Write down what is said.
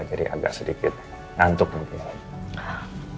jadi agak sedikit ngantuk mungkin